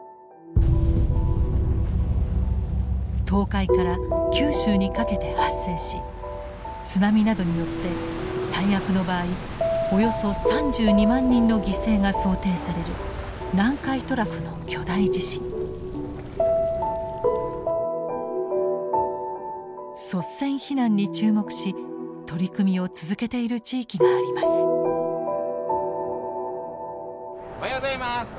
東海から九州にかけて発生し津波などによって最悪の場合およそ３２万人の犠牲が想定される率先避難に注目し取り組みを続けている地域があります。